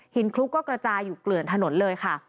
คลุกก็กระจายอยู่เกลื่อนถนนเลยค่ะ